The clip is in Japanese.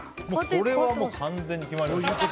これは完全に決まりました。